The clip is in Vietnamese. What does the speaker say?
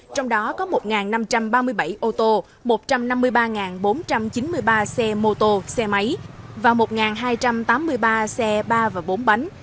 trong đó có một năm trăm ba mươi bảy ô tô một trăm năm mươi ba bốn trăm chín mươi ba xe mô tô xe máy và một hai trăm tám mươi ba xe ba và bốn bánh